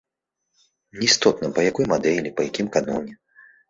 Не істотна, па якой мадэлі, па якім каноне.